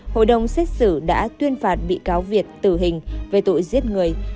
hội đồng xét xử đã tuyên phạt bị cáo việt tử hình về tội giết người